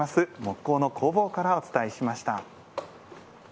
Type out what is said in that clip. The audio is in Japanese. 木工の工房からお伝えしました。